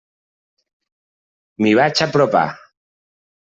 M'hi vaig apropar.